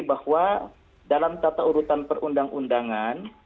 bahwa dalam tata urutan perundang undangan